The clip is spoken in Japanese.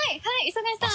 磯貝さん。